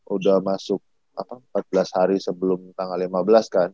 udah masuk empat belas hari sebelum tanggal lima belas kan